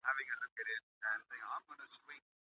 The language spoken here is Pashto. غیچک عصري ساز نه دی.